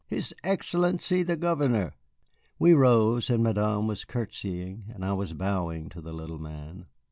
"His Excellency the Governor!" We rose, and Madame was courtesying and I was bowing to the little man.